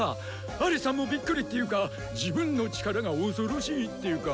アリさんもびっくりっていうか自分の力が恐ろしいっていうか！